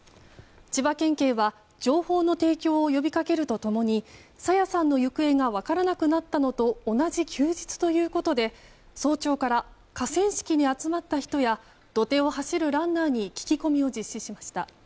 千葉県警は情報の提供を呼び掛けると共に朝芽さんの行方が分からなくなったのと同じ休日ということで早朝から河川敷に集まった人や土手を走るランナーに聞き込みを実施しました。